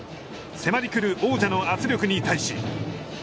迫り来る王者の圧力に対し。